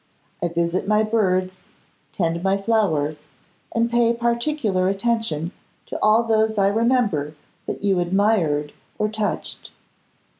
I visit my birds, tend my flowers, and pay particular attention to all those I remember that you admired or touched.